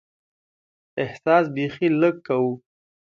احساس بیخي لږ کوو.